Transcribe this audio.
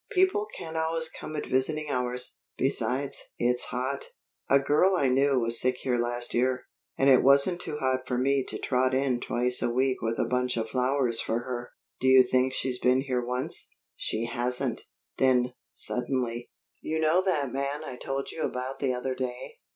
"People can't always come at visiting hours. Besides, it's hot." "A girl I knew was sick here last year, and it wasn't too hot for me to trot in twice a week with a bunch of flowers for her. Do you think she's been here once? She hasn't." Then, suddenly: "You know that man I told you about the other day?"